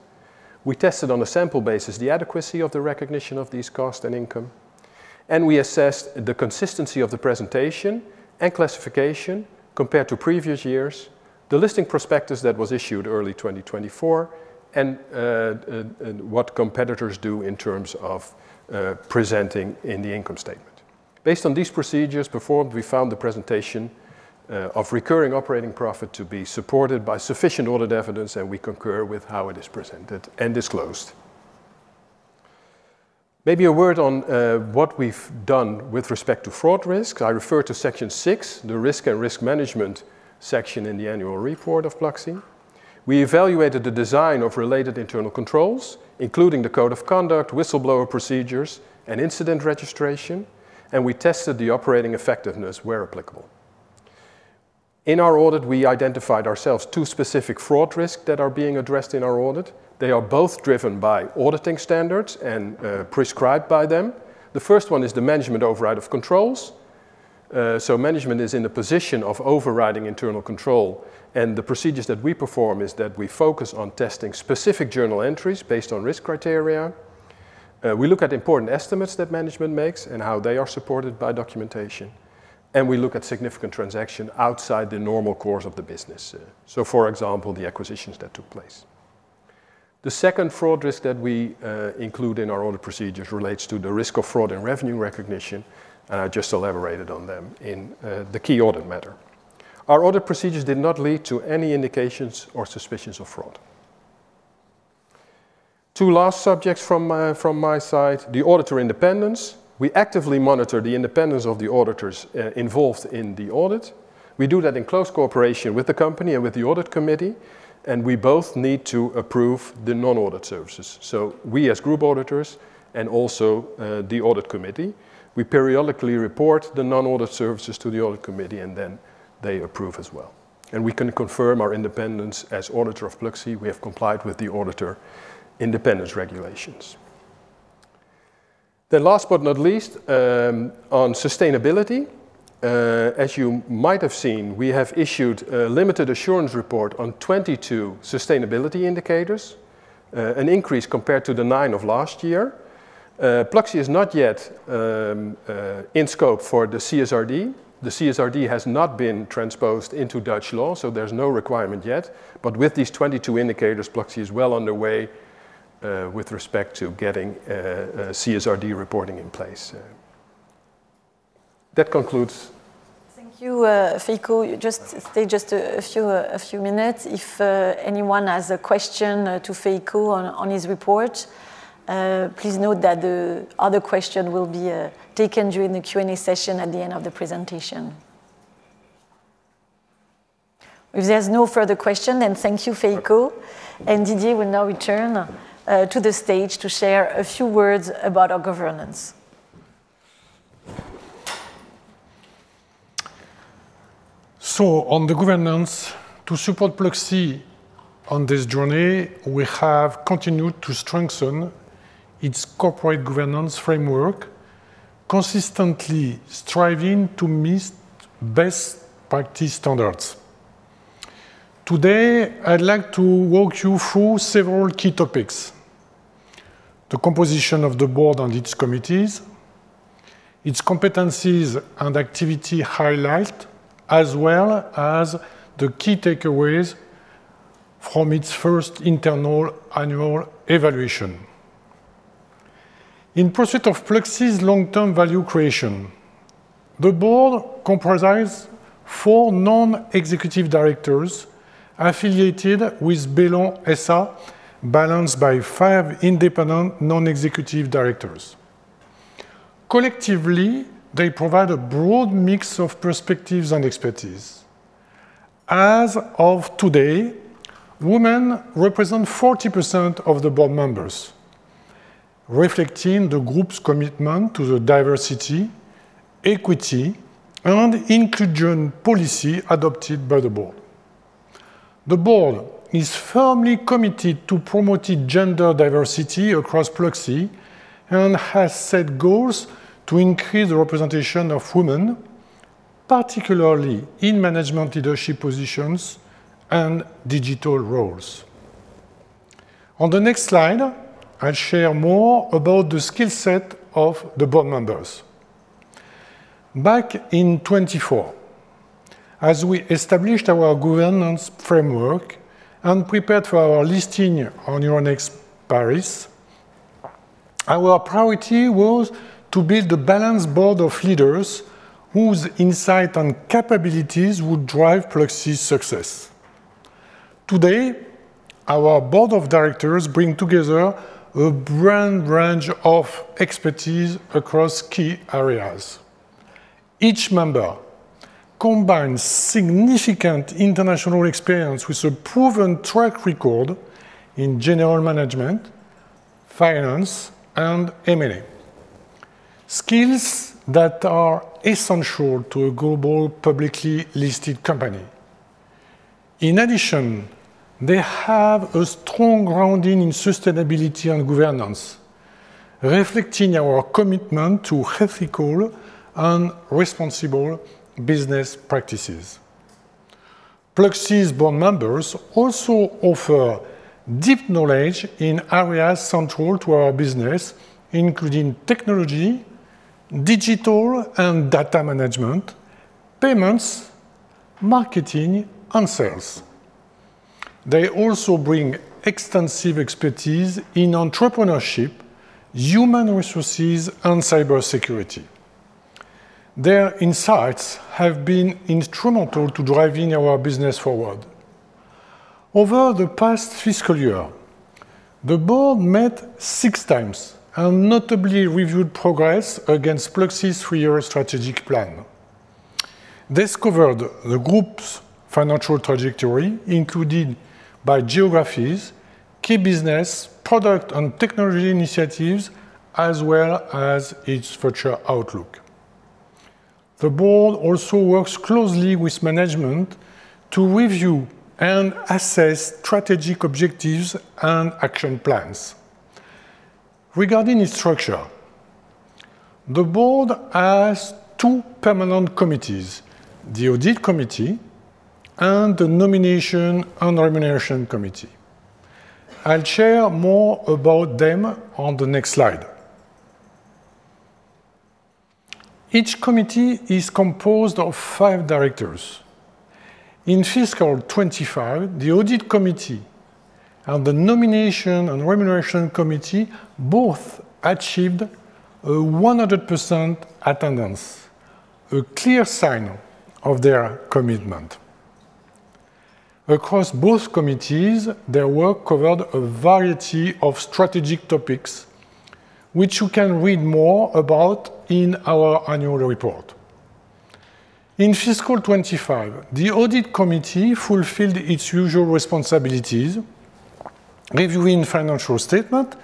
We tested on a sample basis the adequacy of the recognition of these costs and income, and we assessed the consistency of the presentation and classification compared to previous years, the listing prospectus that was issued early 2024, and what competitors do in terms of presenting in the income statement. Based on these procedures performed, we found the presentation of recurring operating profit to be supported by sufficient audit evidence, and we concur with how it is presented and disclosed. Maybe a word on what we've done with respect to fraud risk. I refer to section 6, the risks and risk management section in the Annual Report of Pluxee. We evaluated the design of related internal controls, including the code of conduct, whistleblower procedures, and incident registration, and we tested the operating effectiveness where applicable. In our audit, we identified two specific fraud risks that are being addressed in our audit. They are both driven by auditing standards and prescribed by them. The first one is the management override of controls. So management is in the position of overriding internal control, and the procedures that we perform is that we focus on testing specific journal entries based on risk criteria. We look at important estimates that management makes and how they are supported by documentation, and we look at significant transactions outside the normal course of the business, so for example, the acquisitions that took place. The second fraud risk that we include in our audit procedures relates to the risk of fraud in revenue recognition, and I just elaborated on them in the key audit matter. Our audit procedures did not lead to any indications or suspicions of fraud. Two last subjects from my side, the auditor independence. We actively monitor the independence of the auditors involved in the audit. We do that in close cooperation with the company and with the audit committee, and we both need to approve the non-audit services. So we as group auditors and also the audit committee, we periodically report the non-audit services to the audit committee, and then they approve as well. And we can confirm our independence as auditor of Pluxee. We have complied with the auditor independence regulations. Then last but not least, on sustainability. As you might have seen, we have issued a limited assurance report on 22 sustainability indicators, an increase compared to the nine of last year. Pluxee is not yet in scope for the CSRD. The CSRD has not been transposed into Dutch law, so there's no requirement yet. But with these 22 indicators, Pluxee is well underway with respect to getting CSRD reporting in place. That concludes. Thank you, Feiko. Just stay a few minutes. If anyone has a question to Feiko on his report, please note that the other question will be taken during the Q&A session at the end of the presentation. If there's no further question, then thank you, Feiko, and Didier will now return to the stage to share a few words about our governance. So on the governance, to support Pluxee on this journey, we have continued to strengthen its corporate governance framework, consistently striving to meet best practice standards. Today, I'd like to walk you through several key topics: the composition of the board and its committees, its competencies and activity highlight, as well as the key takeaways from its first internal annual evaluation. In pursuit of Pluxee's long-term value creation, the board comprises four non-executive directors affiliated with Bellon S.A., balanced by five independent non-executive directors. Collectively, they provide a broad mix of perspectives and expertise. As of today, women represent 40% of the board members, reflecting the group's commitment to the diversity, equity, and inclusion policy adopted by the board. The board is firmly committed to promoting gender diversity across Pluxee and has set goals to increase the representation of women, particularly in management leadership positions and digital roles. On the next slide, I'll share more about the skill set of the board members. Back in 2024, as we established our governance framework and prepared for our listing on Euronext Paris, our priority was to build a balanced board of leaders whose insight and capabilities would drive Pluxee's success. Today, our Board of Directors bring together a broad range of expertise across key areas. Each member combines significant international experience with a proven track record in general management, finance, and M&A, skills that are essential to a global publicly listed company. In addition, they have a strong grounding in sustainability and governance, reflecting our commitment to ethical and responsible business practices. Pluxee's board members also offer deep knowledge in areas central to our business, including technology, digital and data management, payments, marketing, and sales. They also bring extensive expertise in entrepreneurship, human resources, and cybersecurity. Their insights have been instrumental to driving our business forward. Over the past fiscal year, the board met six times and notably reviewed progress against Pluxee's three-year strategic plan. This covered the group's financial trajectory, including by geographies, key business, product, and technology initiatives, as well as its future outlook. The board also works closely with management to review and assess strategic objectives and action plans. Regarding its structure, the board has two permanent committees: the Audit Committee and the Nomination and Remuneration Committee. I'll share more about them on the next slide. Each committee is composed of five directors. In Fiscal 2025, the Audit Committee and the Nomination and Remuneration Committee both achieved a 100% attendance, a clear sign of their commitment. Across both committees, their work covered a variety of strategic topics, which you can read more about in our Annual Report. In Fiscal 2025, the Audit Committee fulfilled its usual responsibilities, reviewing financial statements,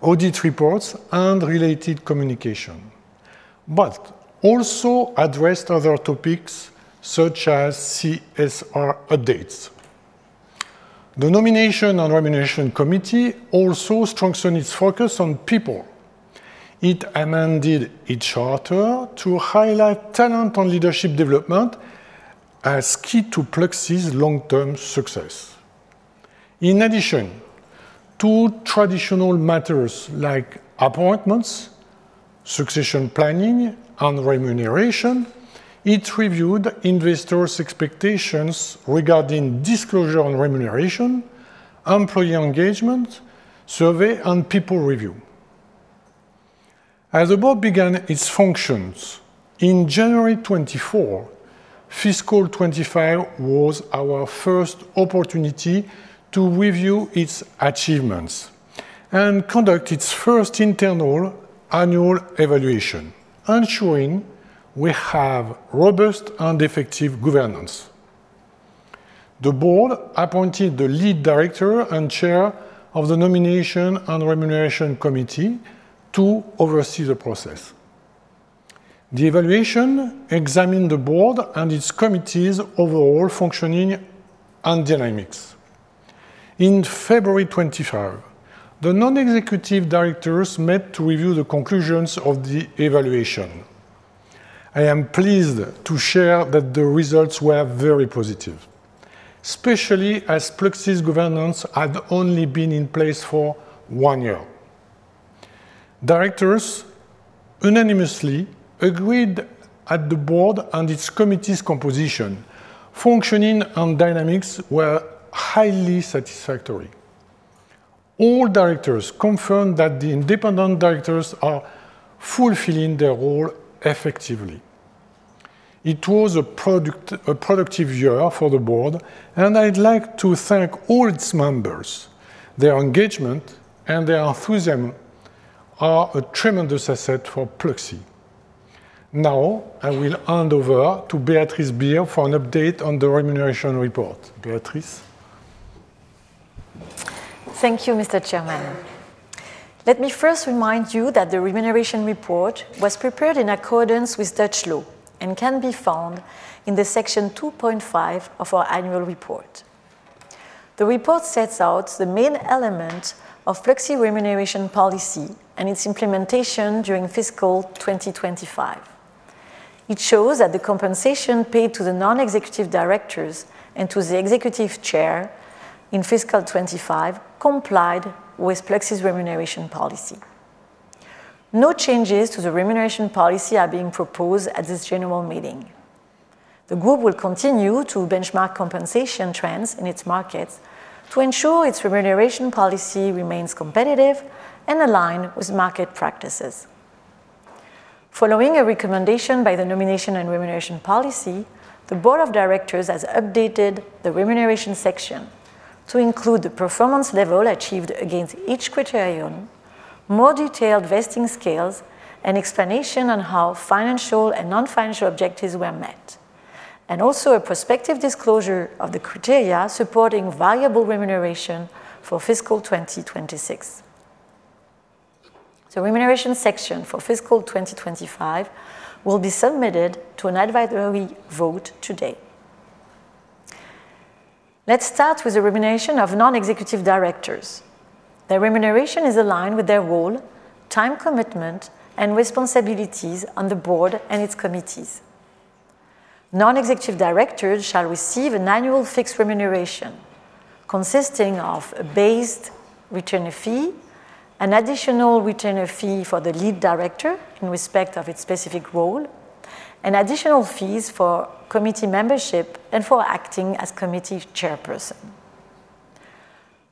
audit reports, and related communication, but also addressed other topics such as CSR updates. The Nomination and Remuneration Committee also strengthened its focus on people. It amended its charter to highlight talent and leadership development as key to Pluxee's long-term success. In addition to traditional matters like appointments, succession planning, and remuneration, it reviewed investors' expectations regarding disclosure and remuneration, employee engagement, survey, and people review. As the board began its functions in January 2024, Fiscal 2025 was our first opportunity to review its achievements and conduct its first internal annual evaluation, ensuring we have robust and effective governance. The board appointed the Lead Director and chair of the Nomination and Remuneration Committee to oversee the process. The evaluation examined the board and its committees' overall functioning and dynamics. In February 2025, the non-executive directors met to review the conclusions of the evaluation. I am pleased to share that the results were very positive, especially as Pluxee's governance had only been in place for one year. Directors unanimously agreed that the board and its committees' composition, functioning, and dynamics were highly satisfactory. All directors confirmed that the independent directors are fulfilling their role effectively. It was a productive year for the board, and I'd like to thank all its members. Their engagement and their enthusiasm are a tremendous asset for Pluxee. Now, I will hand over to Béatrice Bihr for an update on the remuneration report. Béatrice. Thank you, Mr. Chairman. Let me first remind you that the remuneration report was prepared in accordance with Dutch law and can be found in section 2.5 of our Annual Report. The report sets out the main elements of Pluxee's remuneration policy and its implementation during Fiscal 2025. It shows that the compensation paid to the non-executive directors and to the executive chair in Fiscal 2025 complied with Pluxee's remuneration policy. No changes to the remuneration policy are being proposed at this general meeting. The group will continue to benchmark compensation trends in its markets to ensure its remuneration policy remains competitive and aligned with market practices. Following a recommendation by the Nomination and Remuneration Policy, the Board of Directors has updated the remuneration section to include the performance level achieved against each criterion, more detailed vesting scales, and explanation on how financial and non-financial objectives were met, and also a prospective disclosure of the criteria supporting variable remuneration for Fiscal 2026. The remuneration section for Fiscal 2025 will be submitted to an advisory vote today. Let's start with the remuneration of non-executive directors. Their remuneration is aligned with their role, time commitment, and responsibilities on the board and its committees. Non-executive directors shall receive an annual fixed remuneration consisting of a base retainer fee, an additional retainer fee for the Lead Director in respect of its specific role, and additional fees for committee membership and for acting as committee chairperson.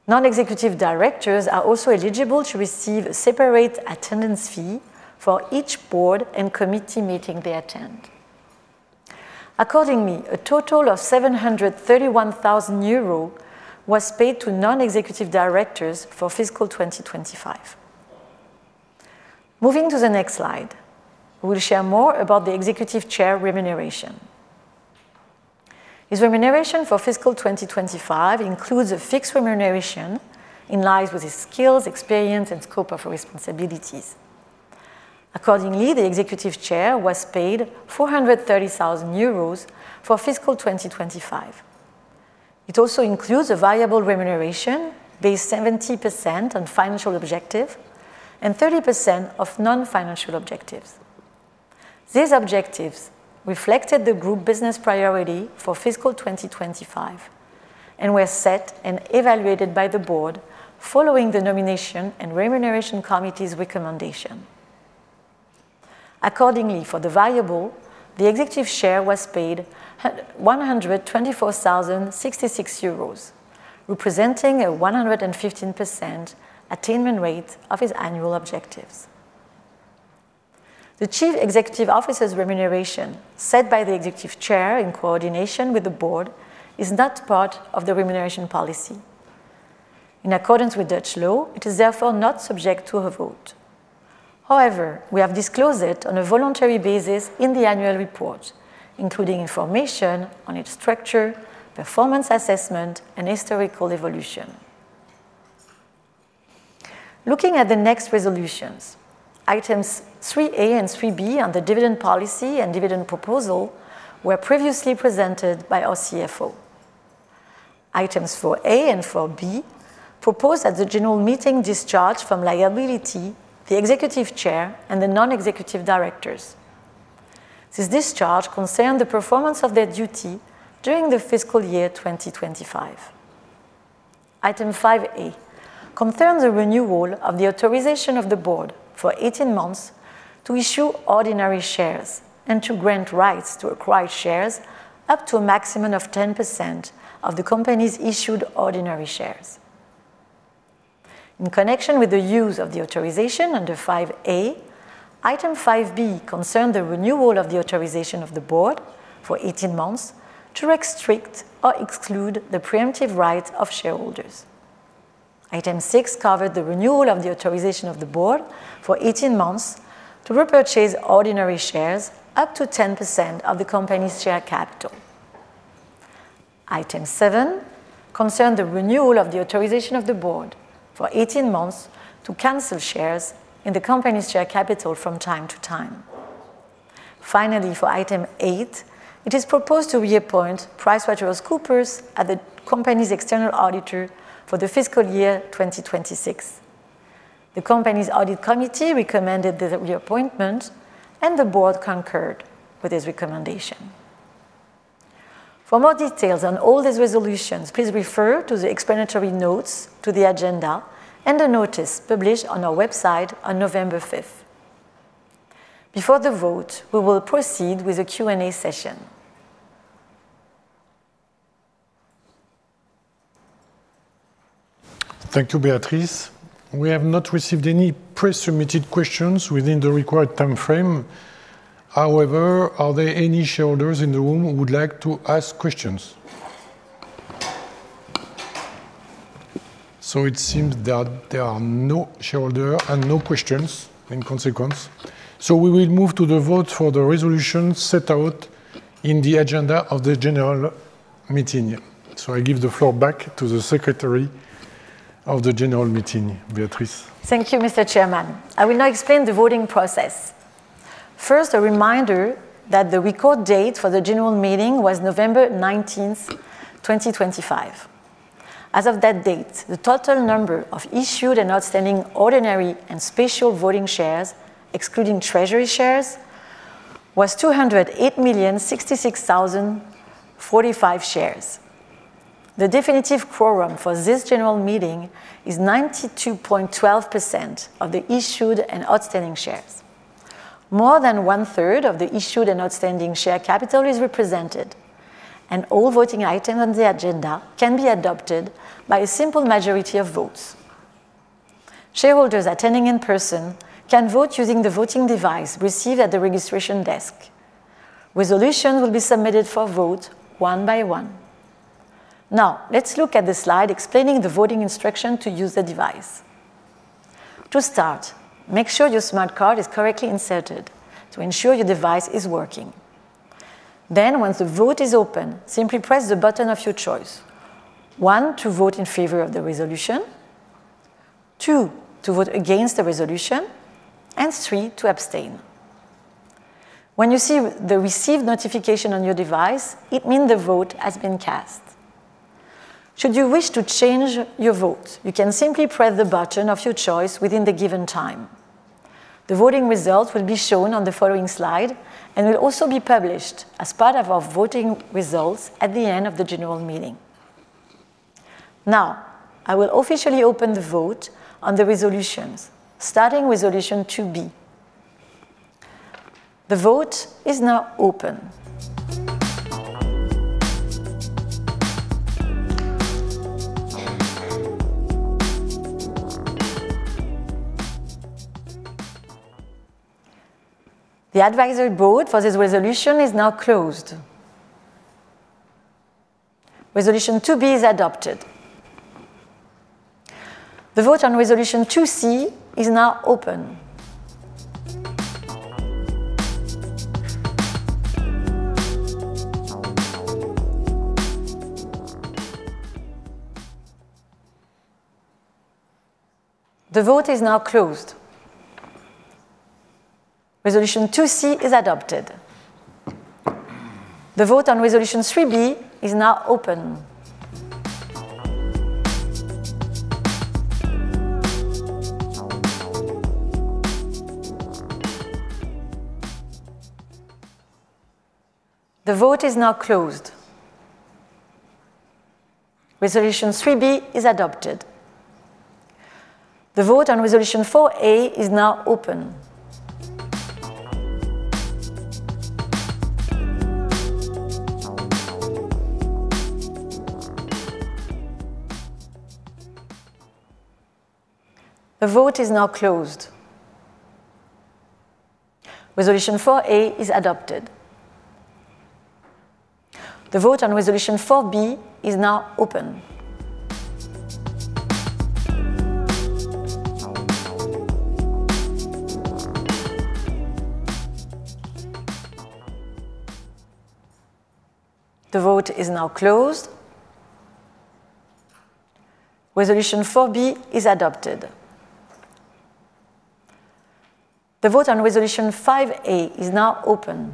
Non-executive directors are also eligible to receive a separate attendance fee for each board and committee meeting they attend. Accordingly, a total of 731,000 euros was paid to non-executive directors for Fiscal 2025. Moving to the next slide, we'll share more about the Executive Chair remuneration. His remuneration for Fiscal 2025 includes a fixed remuneration in line with his skills, experience, and scope of responsibilities. Accordingly, the Executive Chair was paid 430,000 euros for Fiscal 2025. It also includes a variable remuneration based 70% on financial objectives and 30% on non-financial objectives. These objectives reflected the group business priority for Fiscal 2025 and were set and evaluated by the board following the Nomination and Remuneration Committee's recommendation. Accordingly, for the variable, the Executive Chair was paid 124,066 euros, representing a 115% attainment rate of his annual objectives. The Chief Executive Officer's remuneration, set by the Executive Chair in coordination with the board, is not part of the remuneration policy. In accordance with Dutch law, it is therefore not subject to a vote. However, we have disclosed it on a voluntary basis in the Annual Report, including information on its structure, performance assessment, and historical evolution. Looking at the next resolutions, Items 3A and 3B on the dividend policy and dividend proposal were previously presented by our CFO. Items 4A and 4B, proposed at the general meeting, discharge from liability the Executive Chair and the non-executive directors. This discharge concerned the performance of their duty during Fiscal 2025. Item 5A concerns the renewal of the authorization of the board for 18 months to issue Ordinary Shares and to grant rights to acquire shares up to a maximum of 10% of the company's issued Ordinary Shares. In connection with the use of the authorization under 5A, Item 5B concerned the renewal of the authorization of the board for 18 months to restrict or exclude the preemptive right of shareholders. Item 6 covered the renewal of the authorization of the board for 18 months to repurchase Ordinary Shares up to 10% of the company's share capital. Item 7 concerned the renewal of the authorization of the board for 18 months to cancel shares in the company's share capital from time to time. Finally, for Item 8, it is proposed to reappoint PricewaterhouseCoopers as the company's external auditor for the fiscal year 2026. The company's Audit Committee recommended the reappointment, and the board concurred with this recommendation. For more details on all these resolutions, please refer to the explanatory notes to the agenda and the notice published on our website on November 5th. Before the vote, we will proceed with a Q&A session. Thank you, Béatrice. We have not received any pre-submitted questions within the required timeframe. However, are there any shareholders in the room who would like to ask questions? So it seems that there are no shareholders and no questions in consequence. So we will move to the vote for the resolutions set out in the agenda of the general meeting. So I give the floor back to the secretary of the general meeting, Béatrice. Thank you, Mr. Chairman. I will now explain the voting process. First, a reminder that the record date for the general meeting was November 19th, 2025. As of that date, the total number of issued and outstanding Ordinary and Special Voting Shares, excluding treasury shares, was 208,066,045 shares. The definitive quorum for this general meeting is 92.12% of the issued and outstanding shares. More than one-third of the issued and outstanding share capital is represented, and all voting items on the agenda can be adopted by a simple majority of votes. Shareholders attending in person can vote using the voting device received at the registration desk. Resolutions will be submitted for vote one by one. Now, let's look at the slide explaining the voting instructions to use the device. To start, make sure your smart card is correctly inserted to ensure your device is working. Then, once the vote is open, simply press the button of your choice: 1, to vote in favor of the resolution; 2, to vote against the resolution; and 3, to abstain. When you see the received notification on your device, it means the vote has been cast. Should you wish to change your vote, you can simply press the button of your choice within the given time. The voting results will be shown on the following slide and will also be published as part of our voting results at the end of the general meeting. Now, I will officially open the vote on the resolutions, starting with Resolution 2B. The vote is now open. The vote is now closed. Resolution 2B is adopted. The vote on Resolution 2C is now open. The vote is now closed. Resolution 2C is adopted. The vote on Resolution 3B is now open. The vote is now closed. Resolution 3B is adopted. The vote on Resolution 4A is now open. The vote is now closed. Resolution 4A is adopted. The vote on Resolution 4B is now open. The vote is now closed. Resolution 4B is adopted. The vote on Resolution 5A is now open.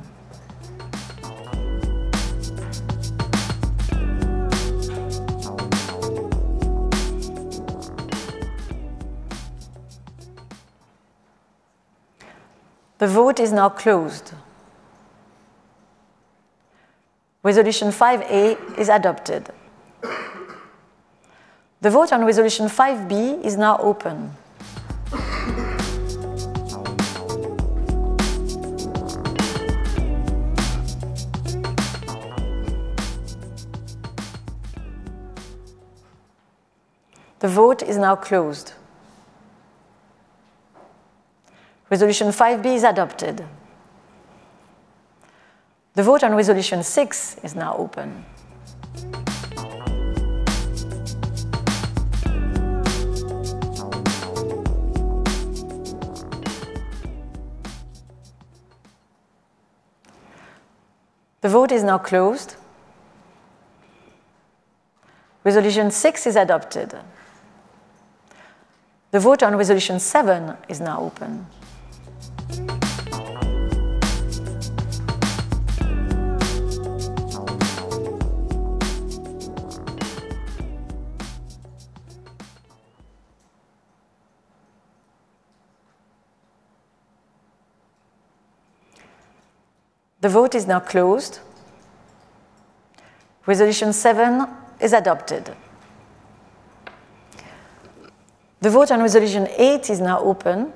The vote is now closed. Resolution 5A is adopted. The vote on Resolution 5B is now open. The vote is now closed. Resolution 5B is adopted. The vote on Resolution 6 is now open. The vote is now closed. Resolution 6 is adopted. The vote on Resolution 7 is now open. The vote is now closed. Resolution 7 is adopted. The vote on Resolution 8 is now open.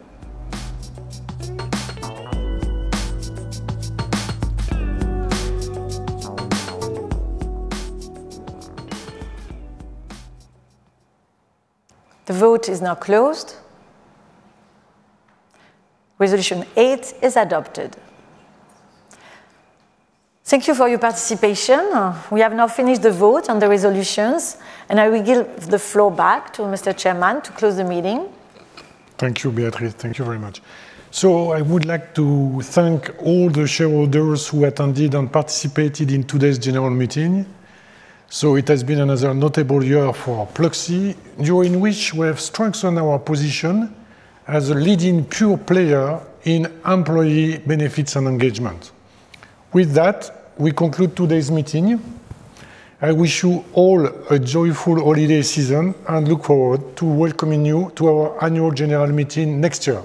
The vote is now closed. Resolution 8 is adopted. Thank you for your participation. We have now finished the vote on the resolutions, and I will give the floor back to Mr. Chairman to close the meeting. Thank you, Béatrice. Thank you very much. So I would like to thank all the shareholders who attended and participated in today's general meeting. So it has been another notable year for Pluxee, during which we have strengthened our position as a leading pure player in employee benefits and engagement. With that, we conclude today's meeting. I wish you all a joyful holiday season and look forward to welcoming you to our annual general meeting next year.